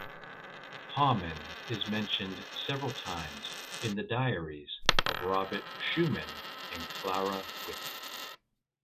Hauman is mentioned several times in the diaries of Robert Schumann and Clara Wieck.